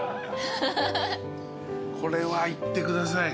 これはいってください。